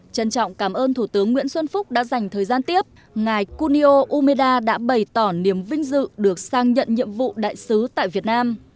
trân trọng cảm ơn thủ tướng nguyễn xuân phúc đã dành thời gian tiếp ngài kunio umeda đã bày tỏ niềm vinh dự được sang nhận nhiệm vụ đại sứ tại việt nam